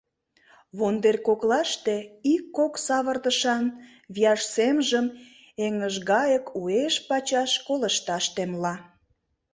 Вондер коклаште ик-кок савыртышан вияш семжым эҥыжгайык уэш-пачаш колышташ темла.